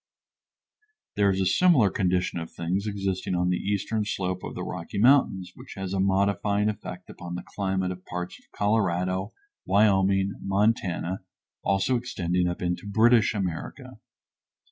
There is a similar condition of things existing on the eastern slope of the Rocky Mountains which has a modifying effect upon the climate of parts of Colorado, Wyoming, Montana, also extending up into British America.